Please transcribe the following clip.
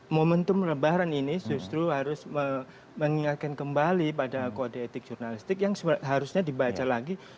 momentum lebaran ini justru harus mengingatkan kembali pada kode etik jurnalistik yang harusnya dibaca lagi